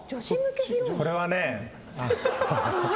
これはね。